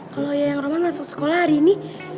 kalau yang roman masuk sekolah hari ini